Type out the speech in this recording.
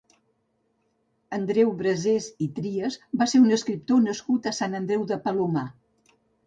Andreu Brasés i Trias va ser un escriptor nascut a Sant Andreu de Palomar.